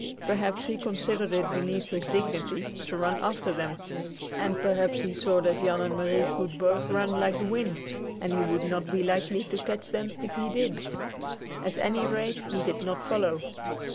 Perhaps he considered it beneath his dignity to run after them, and perhaps he saw that Jan and Marie could both run like the wind and he would not be likely to catch them if he did. At any rate, he did not follow.